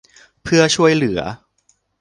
เพื่อช่วยเหลือ